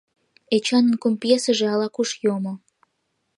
Эчанын кум пьесыже ала-куш йомо.